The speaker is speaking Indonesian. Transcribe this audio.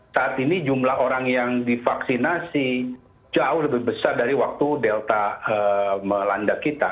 saat ini jumlah orang yang divaksinasi jauh lebih besar dari waktu delta melanda kita